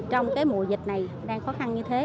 trong mùa dịch này đang khó khăn như thế